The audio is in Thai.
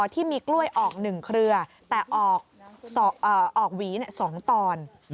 ที่มีกล้วยออก๑เครือแต่ออกหวี๒ตอน